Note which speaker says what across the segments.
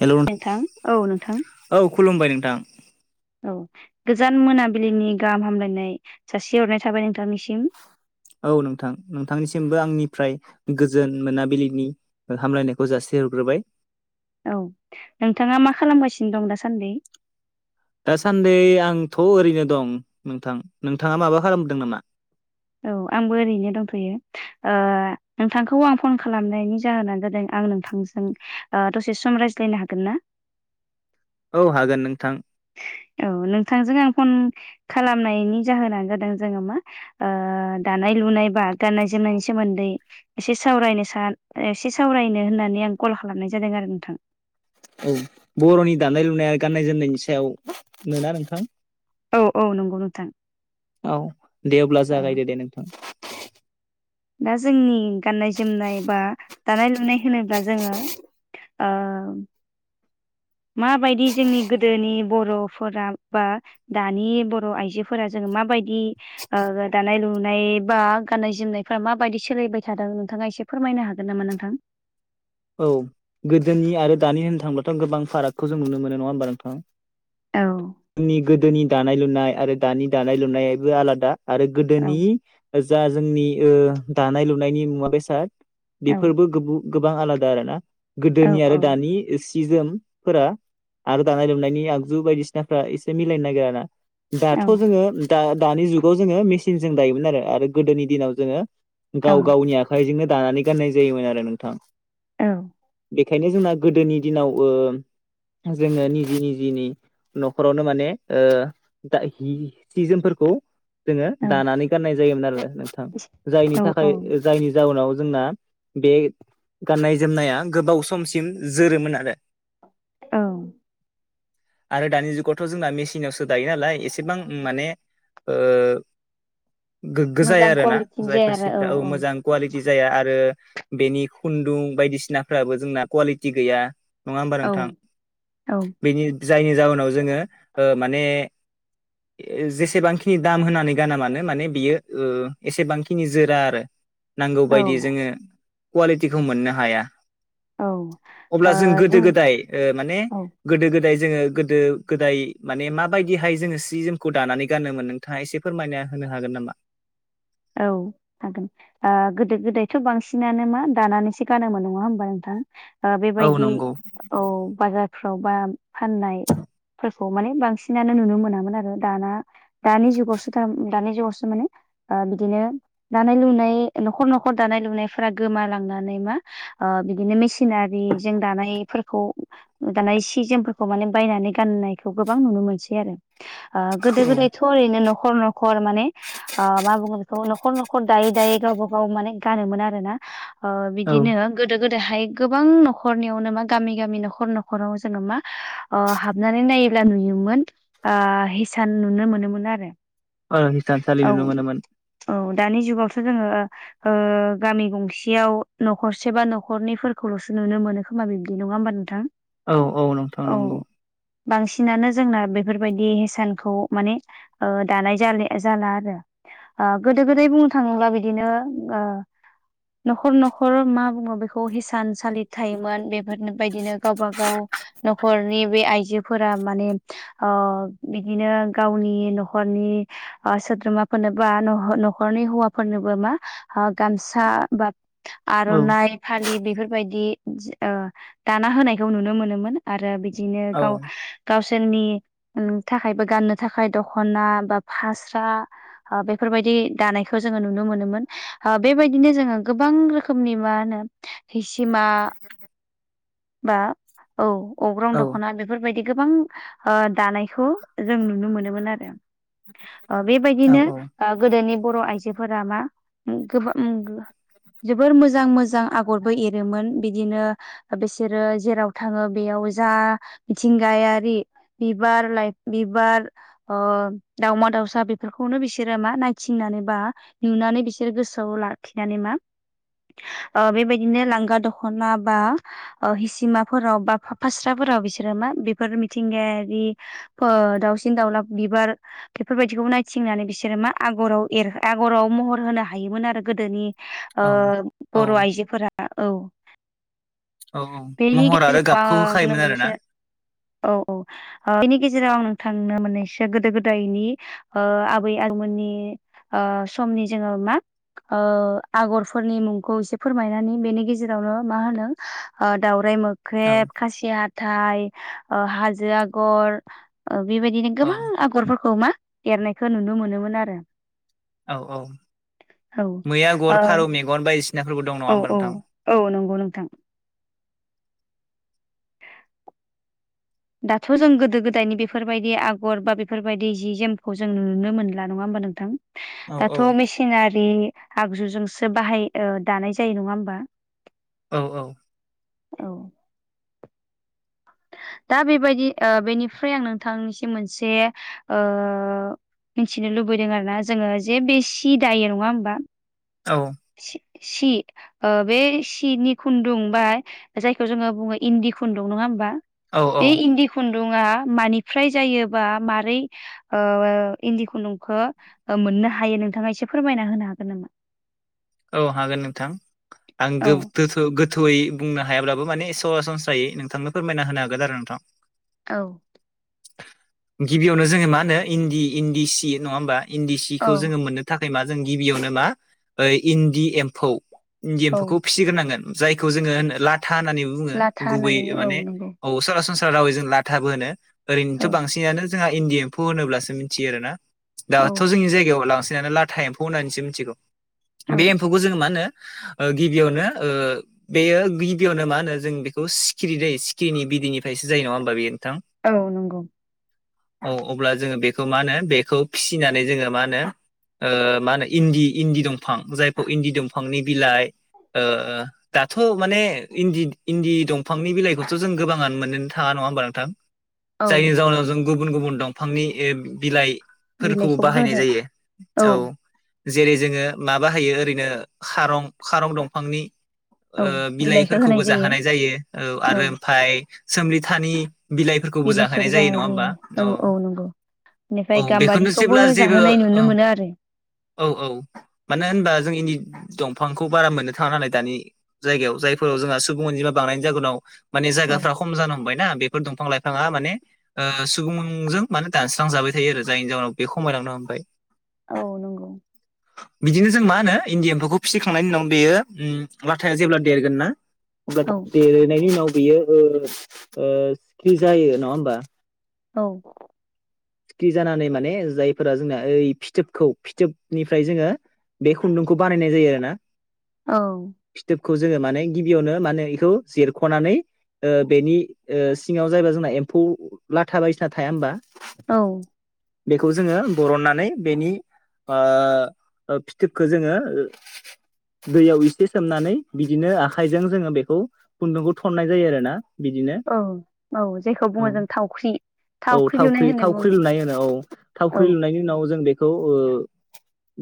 Speaker 1: हेल'
Speaker 2: नोंथां औ नोंथां
Speaker 1: औ खुलुमबाय नोंथां
Speaker 2: औ गोजान मोनाबिलिनि गाहाम हामलायनाय सासे हरनाय थाबाय नोंथांनिसिम।
Speaker 1: औ नोंथां नोंथांनिसिमबो आंनिफ्राय गोजोन मोनाबिलिनि हामलायनायखौ जासि हरग्रोबाय।
Speaker 2: औ नोंथाङा मा खालामगासिनो दं दासान्दि?
Speaker 1: दासान्दि आंथ' ओरैनो दं नोंथां नोंथाङा माबा खालामदों नामा?
Speaker 2: औ आंबो ओरैनो दंथैयो ओ नोंथांखौ आं फन खालामनायनि जाहोनानो जादों आं नोंथां जों दसे सम रायज्लायनो हागोन ना?
Speaker 1: औ हागोन नोंथां।
Speaker 2: औ नोंथांजों आं फन खालामनायनि जाहोनानो जादों जोङो मा दानाय लुनाय बा गाननाय जोमनायनि सोमोन्दै एसे सावरायनो स एसे सावरायनो होननानै आं कल खालामनाय जादों आरो नोंथां।
Speaker 1: औ बर'नि दानाय लुनाया गान्नाय जोमनायनि सायाव मोना नोंथां?
Speaker 2: औ औ नंगौ नोंथां
Speaker 1: औ दे अब्ला
Speaker 2: औ
Speaker 1: जागायदो दे नोंथां।
Speaker 2: [inaudible] दा जोंनि गाननाय जोमनाय बा दानाय लुनाय होनोब्ला जोङो आ माबायदि जोंनि गोदोनि बर'फोरा बा दानि बर' आइजोफोरा जोङो माबायदि दानाय लुनाय बा गाननाय जोमनायफोरा्रा माबायदि सोलिबाय थादों नोंथाङा एसे फोरमायनो हागोन नामा नोंथां?
Speaker 1: औ गोदोनि आरो दानि होननो थांब्लाथ' गोबां फारागखौ जों नुनो मोनो नङा होमबा नोंथां?
Speaker 2: औ
Speaker 1: जोंनि गोदोनि दानाय लुनाय आरो दानि दानाय लुनायाबो आलादा। आरो
Speaker 2: औ
Speaker 1: गोदोनि जा जोंनि दानाय लुनायनि मुवा बेसाद
Speaker 2: औ
Speaker 1: बेफोरबो गोबां आलादा आरोना
Speaker 2: औ
Speaker 1: गोदोनि
Speaker 2: औ
Speaker 1: आरो दानि सि जोमफोरा आरो दानाय लुनायनि आगजु बायदिसिनाफोरा एसे मिलायनो नागिर ना? दाथ'
Speaker 2: औ
Speaker 1: जोंङो द दानि जुगाव जोङो मेसििनजों दायोमोन आरो आरो गोदोनि दिनाव जोंङो
Speaker 2: औ
Speaker 1: गाव गावनि आखाइजोंनो दानानै गाननाय जायोमोन आरो नोंथां।
Speaker 2: औ
Speaker 1: बेखायनो जोंना गोदोनि दिनाव जोंङो निजि निजिनि न'खरावनो माने दा सि जोमफोरखौ जोङो
Speaker 2: औ
Speaker 1: दानानै गाननाय जायोमोन आरो नोंथां जायनि
Speaker 2: औ औ
Speaker 1: थाखाय जायनि जाउनाव जोंना बे गाननाय जोमनाया गोबाव समसिम जोरोमोन आरो।
Speaker 2: औ
Speaker 1: आरो दानि जुगावथ' जोंना मेसििनावसो दायो नालाय एसेबां माने गोगगोजाया
Speaker 2: मोजां
Speaker 1: आरोना
Speaker 2: कुवालिटिनि जाया
Speaker 1: जायफोर
Speaker 2: आरो
Speaker 1: सिफ्रा औ मोजां कुवालिटि जाया आरो बेनि खुन्दुं बायदिसिनाफ्राबो जोंना कुवालिटि गैया। नङा होमबा
Speaker 2: औ
Speaker 1: नोंथां
Speaker 2: औ
Speaker 1: बेनि जायनि जाहोनाव जोङो माने
Speaker 2: [inaudible]
Speaker 1: जेसेबांखिनि दाम होनानै गाना मानो माने बियो एसेबांखिनि जोरा आरो।
Speaker 2: औ
Speaker 1: नांगौबायायदि जोंङो कुवालिटिखौ मोननो हाया।
Speaker 2: औ
Speaker 1: अब्ला
Speaker 2: औ ओ
Speaker 1: जों गोदो गोदाय ओ माने
Speaker 2: औ
Speaker 1: गोदो गोदाय जोंङो गोदो गोदाय माने माबायदिहाय जोंङो सि जोमखौ दानानै गानोमोन नों नोंथांङा एसे फोरमायना होनो हागोन नामा?
Speaker 2: औ हागोन। गोदो गोदायथ' बांसिनानो मा दानानैसो गानोमोन नंङा होमबा नोंथां?
Speaker 1: औ
Speaker 2: बेबायदि
Speaker 1: नंगौ
Speaker 2: औ बाजारफ्राव बा फाननाय फोरखौ माने बांसिनानो नुनो मोनामोन आरो दाना दानि जुगावसो थार दानि जुगावसो माने बिदिनो दानाय लुनाय न'खर न'खर दानाय लुनायफोरा गोमालांनानै मा ओ बिदिनो मेसिनारिजों दानायफोरखौ दाना सि जोमफोरखौ माने बायनानै गाननायखौ गोबां नुनो मोनसै आरो। ओ गोदो
Speaker 1: औ
Speaker 2: गोदायथ' ओरैनो न'खर न'खर माने ओ खौ न'खर न'खर दायै दायै गावबा गाव माने गानोमोन आरो ना बिदिनो
Speaker 1: औ
Speaker 2: गोदो गोदोहाय गोबां न'खरनियावनो मा गामि गामि न'खर न'खराव जोंङो मा ओ हाबनानै नायोब्ला नुयोमोन ओ हिसान नुनो मोनोमोन आरो।
Speaker 1: अ हिसथान
Speaker 2: औ
Speaker 1: सालि नुनो मोनोमोन।
Speaker 2: औ दानि जुगावथ' जोंङो गामि गंसेयाव न'खरसे बा न'खरनिफोरखौल'सो नुनो मोनो खोमा बिब्दि नंङा होमबा नोंथां
Speaker 1: औ औ नोंथां नंगौ
Speaker 2: बांसिनानो जोंना बेफोरबायदि हिसानखौ माने दानाय जाले जाला आरो गोदो गोदाय बुंनो थाङोब्ला बिदिनो न'खर न'खर मा बुंङो बेखौ हिसान सालि थायोमोन बेफोरबायायदिनो गावब गाव न'खरनि बे आइजो फोर माने बिदिनो गावनि न'खरनि सोद्रोमाफोरनो बा न'खरनि हौवाफोरनोबो मा गामसा बा
Speaker 1: औ
Speaker 2: आर'नाइ फालि बेफोरबायदि दाना होनायखौ नुनो मोनोमोन आरो बिदिनो
Speaker 1: औ
Speaker 2: गाव गावसोरनि थाखायबो गाननो थाखाय दख'ना बा फास्रा बेफोरबायदि दानायखौ जोंङो नुनो मोनोमोन बेबायदिनो जोंङो गोबां रोखोमनि मा होनो हिसिमा बा औ
Speaker 1: औ
Speaker 2: अग्रं दख'ना बेफोरबायदि गोबां दानायखौ जों नुनो मोनोमोन आरो
Speaker 1: औ
Speaker 2: बेबायदिनो गोदोनि बर' आइजोफोरा मा गोबां जोबोर मोजां मोजां आगरबो एरोमोन बिदिनो बिसोरो जेराव थाङो बेयाव जा मिथिंगायारि बिबार लाइ बिबार अ दाावमा दाउसा बेफोरखौनो बिसोरो मा नायथिंनानै बा नुनानै बिसोर गोसोआव लाखिनानै मा बेबायदिनो लांगा दख'ना बा हिसिमाफोराव बा फास्राफोराव बिसोरो मा बेफोर मिथिंगायारि दाउसिन दाउला बिबार बेफोरबायदिखौ नायथिंनानै बिसोरो मा आगराव एर आगराव महर होनो हायोमोन आरो गोदोनि
Speaker 1: औ औ
Speaker 2: बर' आइजोफोरा औ
Speaker 1: औ औ
Speaker 2: बेनि
Speaker 1: महर आरो
Speaker 2: गेजेराव
Speaker 1: गाबखौ
Speaker 2: आंनो
Speaker 1: होखायोमोन आरोना
Speaker 2: मोनसे औ औ बिनि गेजेराव आं नोंथांनो मोने एसे गोदो गोदायनि आबै आइमोननि ओ समनि जोंङो मा आगरफोरनि मुंखौ एसे फोरमायनानै बेनि गेजेरावनो मा होनो दाावराय
Speaker 1: औ
Speaker 2: मोख्रेब खासि हाथाइ हाजो आगर बेबायदिनो
Speaker 1: औ
Speaker 2: गोबां आगरफोरखौ मा एरनायखौ नुनो मोनोमोन आरो
Speaker 1: औ औ
Speaker 2: औ
Speaker 1: मै आगर फारौ मेगन बायदिसिना
Speaker 2: औ औ औ नंगौ नोंथां दाथ' जों गोदो गोदायनि बेफोरबायदि आगर बा बेफोरबायदि जि जोमखौ जों नुनो मोनला नङा होमबा नोंथां
Speaker 1: औ औ
Speaker 2: दाथ' मेसिनारि आगजुजोंसो बाहाय दानाय जायो नङा होमबा
Speaker 1: औ औ
Speaker 2: औ दा बेबायदि बेनिफ्राय आं नोंथांनिसिम मोनसे मिथिनो लुबैदों आरो ना जोङो जे बे सि दायो नङा होमबा
Speaker 1: औ
Speaker 2: सि बे सिनि खुन्दुं बा जायखौ जोङो बुङो इन्दि खुन्दुं नङा होमबा
Speaker 1: औ औ
Speaker 2: बे इन्दि खुन्दुा मानिफ्राय जायोबा मारै इन्दि खुन्दुंखौ मोननो हायो नोंथाङा एसे फोरमायना होनो हागोन नामा
Speaker 1: औ हागोन नोंथां आं गो
Speaker 2: औ
Speaker 1: गोथौयै बुंनो हायाब्लाबो माने सरासनस्रायै नोंथांनो फोरमायना होनो हागोन आरो नोंथां
Speaker 2: औ
Speaker 1: गिबियावनो जोङो मा होनो इन्दि इन्दि सि नङा होमबा इन्दि
Speaker 2: औ
Speaker 1: सिखौ जोङो मोननो थाखाय मा जों गिबियावनो मा ओ इन्दि एम्फौ इन्दि
Speaker 2: औ
Speaker 1: एम्फौखौ फिसिग्रोनांगोन जायखौ जोङो होनो लाथा होननानै बुङो
Speaker 2: लाथा
Speaker 1: गुबै
Speaker 2: होननानै बुङो
Speaker 1: माने
Speaker 2: औ नंगौ
Speaker 1: सरासनस्रा रावै जों लाथाबो होनो
Speaker 2: औ
Speaker 1: ओरैनोथ' बांसिनानो जोंहा इन्दि एम्फौ होनोब्लासो मिथियो आरो ना
Speaker 2: औ
Speaker 1: दाथ' जोंनि जायगायाव लांसै लाथा एमफौ एम्फौ होननानैसो मिथिगौ
Speaker 2: औ
Speaker 1: बे एम्फौखौ जोङो मा होनो गिबियावनो बेयो गिबियावनो मा होनो जों बेखौ सिखिरि दै सिखिरिनि बिदैनिफ्रायसो जायो नङा होमबा बे नोंथां
Speaker 2: औ नंगौ
Speaker 1: औ अब्ला जोङो बेखौ मा होनो बेखौ फिसिनानै जोङो मा होनो मा होनो इन्दि इन्दि दंफां जायफोर इन्दि दंफांनि बिलाइ दाथ' माने इन्दि इन्दि दंफांनि बिलाइखौथ' जों गोबाङानो मोननोनो थाङा नङा होमबा नोंथां
Speaker 2: औ
Speaker 1: जायनि जाउनाव जों गुबुन गुबुन दंफांनि बिलाइ फोरखौबो
Speaker 2: बिलाइखौबो
Speaker 1: बाहायनाय
Speaker 2: होनाय
Speaker 1: जायो औ जेरै जोङो माबाहायो ओरैनो खारं खारं दंफांनि
Speaker 2: औ बिलाइखौ
Speaker 1: बिलाइफोरखौबो
Speaker 2: होनाय
Speaker 1: जाहोनाय जायो औ आरो ओमफफ्राय सोमलिथानि बिलाइफोरखौबो जाहोनाय
Speaker 2: बिलाइखौबो
Speaker 1: जायो
Speaker 2: जानाय
Speaker 1: नङा होमबा
Speaker 2: जायो
Speaker 1: औ
Speaker 2: नंगौ बेनिफ्राय
Speaker 1: औ बेखौनो
Speaker 2: गाम्बारिखौबो
Speaker 1: जेब्ला जेबो
Speaker 2: जाहोनाय नुनो मोनो आरो
Speaker 1: औ औ मानो होनबा जों इनदि दंफांखौ बारा मोननो थाङा नालाय दानि जायगायाव जायफोराव जोंहा सुबुं अनजिमा बांनायनि जाहोनाव माने
Speaker 2: औ
Speaker 1: जायगाफ्रा खम जानो हमबायना बे दंफां लाइफाङा माने सुबुंजों माने दानस्रांजाबाय थायो आरो जायनि जाउाहनाव बे खमायलांनो हबाय
Speaker 2: औ नंगौ
Speaker 1: बिदिनो जों मा होनो इन्दि एम्फौखौ फिसिखांनायनि उनाव बेयो लाथाया जेब्ला देरगोन ना अब्ला
Speaker 2: औ
Speaker 1: देरनायनि उनाव बियो सिख्रि जायो नङा होमबा
Speaker 2: औ
Speaker 1: फि्रि जानानै माने जायफोरा जोंना ओइ फिथोबखौ फिथोबनिफ्राय जोङो बे खुन्दुंखौ बानायनाय जायो आरो ना
Speaker 2: औ
Speaker 1: फिथोबखौ जोङो माने गिबियावनो माने बेखौ जिरख'नानै बेनि सिङाव जायबा जोंना एम्फौ लाथा बायसा थाया होमबा
Speaker 2: औ
Speaker 1: बेखौ जोङो बरननानै बेनि फिथोबखौ जोङो दैयाव इसे सोमनानै बिदिनो आखाइजों जोङो बेखौ खुन्दुंखौ थननाय जायो आरो ना
Speaker 2: औ औ जेखौ बुङो जों थावख्रि
Speaker 1: औ
Speaker 2: लुनाय
Speaker 1: थावख्रि
Speaker 2: होननानै
Speaker 1: थावख्रि
Speaker 2: बुङो
Speaker 1: लुनाय होनो औ
Speaker 2: औ
Speaker 1: थावख्रि लुनायनि उनाव जों बेखौ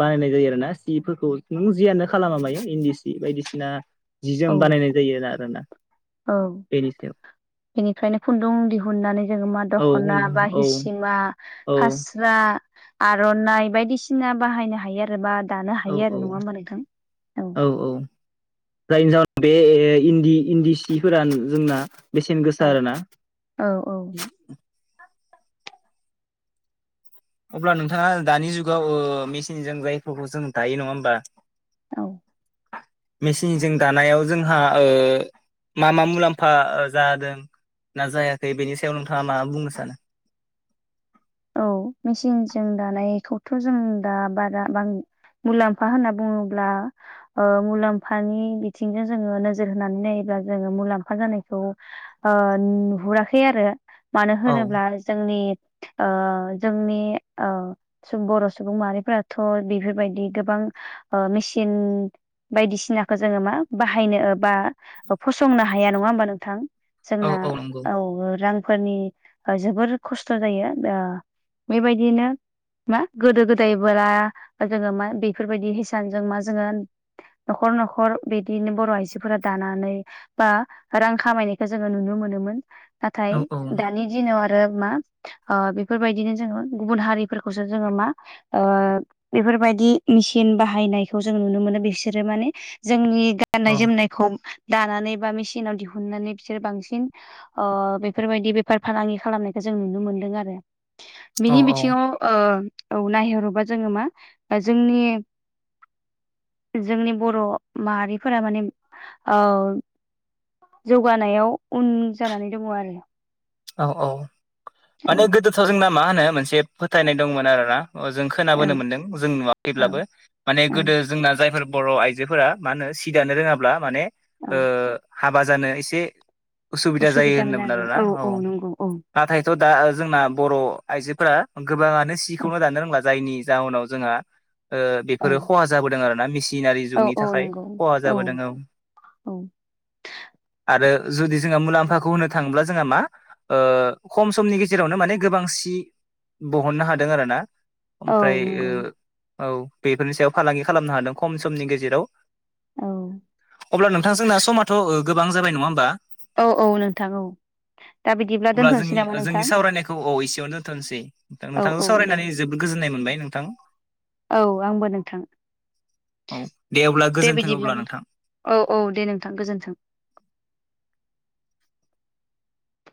Speaker 1: बानायनाय जायो आरो ना सिफोरखौ नों जियानो खालामा मायो इन्दि सि बायदिसिना जि
Speaker 2: औ
Speaker 1: जोम बानायनाय जायो आरोना
Speaker 2: औ
Speaker 1: बेनि सायाव
Speaker 2: बेनिफ्रायनो खुन्दुं दिहुननानै जोङो मा
Speaker 1: औ
Speaker 2: दख'ना बा
Speaker 1: औ औ
Speaker 2: हिसिमा फार्स्ट आर'नाइ बायदिसिना बाहायनो हायो आरोबा
Speaker 1: औ औ औ औ जायनि जाहोनाव बे इन्दि इन्दि सिफोरा जोंना बेसेन
Speaker 2: औ
Speaker 1: गोसा आरोना
Speaker 2: औ औ
Speaker 1: अब्ला नोंथाङा दानि जुगाव मेसिनजों जायफोरखौ जों दायो नङा होमबा
Speaker 2: औ
Speaker 1: मेसिनजों दानायाव जोंहा मा मा मुलाम्फा जादों ना जायाखै बेनि सायाव नोंथाङा मा बुंनो सानो
Speaker 2: औ मेचिनजों दानायखौथ' जों दा बारा बां मुलाम्फा होनना बुङोब्ला मुलाम्फानि बिथिंजों जोङो नोजोर होनानै नायोब्ला जोङो मुलाम्फा जानायखौ नुहुराखै आरो मानो
Speaker 1: औ
Speaker 2: होनोब्ला जोंनि जोंनि बर' सुबुं माहारिफोराथ' बेफोरबायदि गोबां मेसिन बायदिसिनाखौ जोङो मा बाहायनो बा फसंनो हाया नङा होमबा नोंथां
Speaker 1: औ
Speaker 2: जोंना
Speaker 1: औ नंगौ
Speaker 2: औ रांफोरनि जोबोर खस्थ' जायो बेबायदिनो मा गोदो गोदाय बा जोङो मा बेफोरबायदि हिसानजों मा जोङो न'खर न'खर बिदिनो बर' आइजोफोरा दानानै बा रां खामायनायखौ जोङो नुनो मोनोमोन
Speaker 1: औ
Speaker 2: नाथाय
Speaker 1: औ
Speaker 2: दानि दिनाव आरो मा बेफोरबायदिनो जोङो गुबुन हारिफोरखौसो जोङो मा बेफोरबायदि मेसििन बाहायनायखौ जों नुनो मोनो बिसोरो माने जोंनि गाननाय
Speaker 1: औ
Speaker 2: जोमनायखौ दानानै बा मेसििनाव दिहुननानै बिसोर बांसिन बेफोरबायदि बेफार फालांगि खालामनायखौ जों नुनो मोनदों आरो
Speaker 1: औ
Speaker 2: बिनि बिथिङाव औ नायहरोबा जोङो मा जोंनि जोंनि बर' माहारिफोरा माने जौगानायाव उन जानानै दङ आरो
Speaker 1: औ औ
Speaker 2: औ
Speaker 1: माने गोदोथाव जोंना मा होनो मोनसे फोथायनाय दंमोन आरो ना जों
Speaker 2: औ
Speaker 1: खोनाबोनो मोन्दों जों
Speaker 2: औ
Speaker 1: नुवाखैब्लाबो माने
Speaker 2: औ
Speaker 1: गोदो जोंना जायफोर बर' आइजोफोरा मा होनो सि दानो रोङाब्ला माने
Speaker 2: औ
Speaker 1: हाबा जानो एसे उसुबिदा जायो
Speaker 2: उसुबिदामोन आरो
Speaker 1: होनोमोन
Speaker 2: नों
Speaker 1: आरोना औ
Speaker 2: नंगौ औ
Speaker 1: नाथायथ' दा जोंना बर' आइजोफोरा गोबाङानो
Speaker 2: औ
Speaker 1: सिखौनो दानो रोंला जायनि जाहोनाव जोंहा
Speaker 2: औ
Speaker 1: बेफोरो खहा जाबोदों आरोना मिसिन दिनारि
Speaker 2: औ
Speaker 1: जुगनि
Speaker 2: औ
Speaker 1: थाखाय
Speaker 2: नंगौ
Speaker 1: खहा जाबोदों औ
Speaker 2: औ
Speaker 1: आरो जुदि जोङो मुलाम्फाखौ जोंहा मा खम समनि गेजेरावनो माने गोबां सि बहननो हादों आरो ना
Speaker 2: औ
Speaker 1: ओमफ्राय
Speaker 2: नंगौ
Speaker 1: औ बेफोरनि सायाव फालांगि खालामनो हादों खम समनि गेजेराव
Speaker 2: औ
Speaker 1: अब्ला नोंथांजोंना समाथ' गोबां जाबाय नङा होमबा
Speaker 2: औ औ नोंथां औ दा बिदिब्ला
Speaker 1: अब्ला
Speaker 2: दोनथ'नोसै
Speaker 1: जोंनि
Speaker 2: नामा नोंथां
Speaker 1: जोंनि सावरायनायखौ औ एसेयावनो दोनथनोसै
Speaker 2: औ औ
Speaker 1: नोंथांजों
Speaker 2: दे
Speaker 1: सावरायनानै जोबोद गोजोननाय मोनबाय नोंथां
Speaker 2: औ आंबो नोंथां
Speaker 1: औ दे अब्ला गोजोनथों अब्ला नोंथां
Speaker 2: औ औ दे नोंथां गोजोन्थों